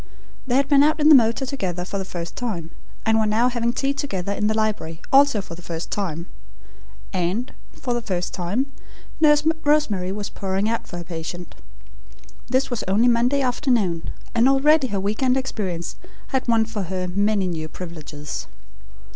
They had been out in the motor together for the first time, and were now having tea together in the library, also for the first time; and, for the first time, Nurse Rosemary was pouring out for her patient. This was only Monday afternoon, and already her week end experience had won for her many new privileges.